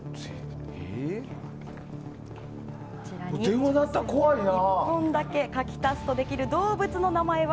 電話鳴ったら怖いな。